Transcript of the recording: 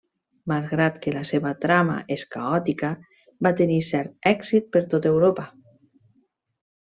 Malgrat que la seva trama és caòtica va tenir cert èxit per tot Europa.